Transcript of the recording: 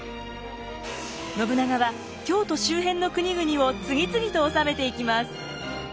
信長は京都周辺の国々を次々と治めていきます。